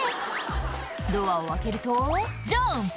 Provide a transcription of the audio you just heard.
ドアを開けるとジャンプ！